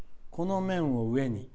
この面を上に。